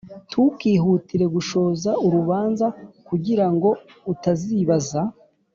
Ntukihutire gushoza urubanza kugira ngo utazibaza